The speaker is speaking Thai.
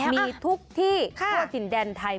มีทุกที่เพื่อถิ่นแดนไทย